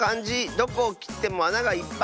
どこをきってもあながいっぱい。